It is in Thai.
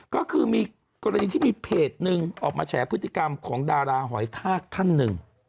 ก็คือมีกรณีที่มีเพจหนึ่งออกมาแฉพฤติกรรมของดาราหอยทากท่านหนึ่ง